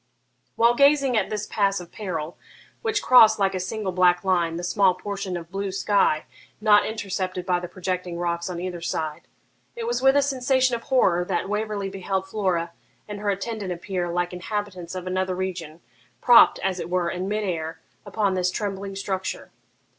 While gazing at this pass of peril, which crossed, like a single black line, the small portion of blue sky not intercepted by the projecting rocks on either side, it was with a sensation of horror that Waverley beheld Flora and her attendant appear, like inhabitants of another region, propped, as it were, in mid air, upon this trembling structure.